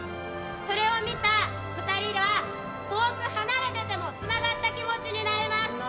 それを見た２人は遠く離れていてもつながった気持ちになれます。